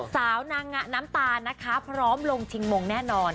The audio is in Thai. สาวนางน้ำตาลนะคะพร้อมลงชิงมงแน่นอน